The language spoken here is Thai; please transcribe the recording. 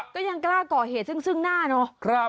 ก็ยังกล้าก่อเหตุซึ่งหน้าเนาะ